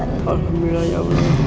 alhamdulillah ya allah